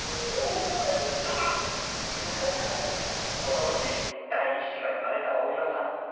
おととし、第１子が産まれた大岩さん。